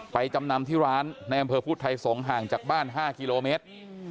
จำนำที่ร้านในอำเภอพุทธไทยสงศ์ห่างจากบ้าน๕กิโลเมตร